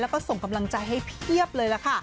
แล้วก็ส่งกำลังใจให้เพียบเลยล่ะค่ะ